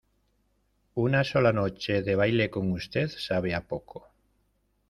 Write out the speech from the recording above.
una sola noche de baile con usted sabe a poco.